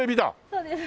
そうです。